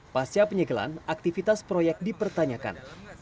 pasca penyegelan aktivitas proyek dipertanyakan